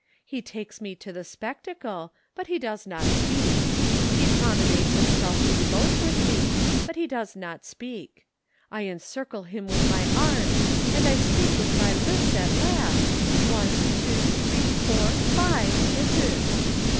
He takes me to the spectacle but he does not speak. He promenades himself in boat with me but he does not speak. I encircle him with my arms, and I speak with my lips at last one, two, three, four, five, kisses.